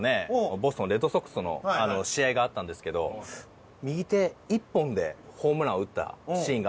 ボストン・レッドソックスの試合があったんですけど右手一本でホームランを打ったシーンがあるんですけど。